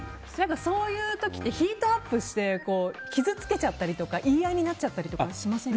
そういう時ってヒートアップして傷つけちゃったりとか言い合いになったりしませんか。